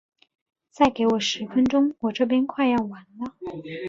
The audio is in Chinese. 再给我十分钟，我这边快要完了。